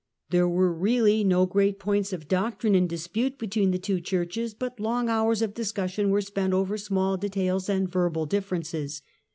There were really no great points of doctrine in dispute between the two Churches but long hours of discussion were spent over small details and verbal differences.